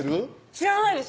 知らないです